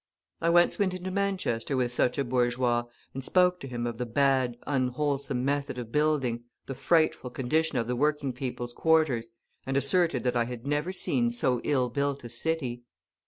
I once went into Manchester with such a bourgeois, and spoke to him of the bad, unwholesome method of building, the frightful condition of the working people's quarters, and asserted that I had never seen so ill built a city.